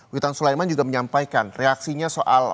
witan sulaiman juga menyampaikan reaksinya soal